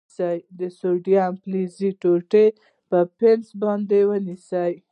د سوډیم د فلز ټوټه په پنس باندې ونیسئ.